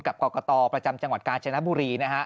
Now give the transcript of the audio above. กับกรกตประจำจังหวัดกาญชนบุรีนะครับ